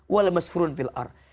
wala mas hurun fil ar